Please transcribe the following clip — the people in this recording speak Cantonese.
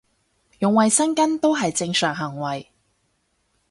用衞生巾都係正常行為